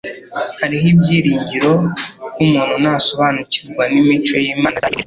Hari ibyiringiro ko umuntu nasobanukirwa n'imico y'Imana azayiyegurira.